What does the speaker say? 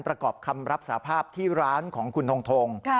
ประกอบคำรับสาภาพที่ร้านของคุณทง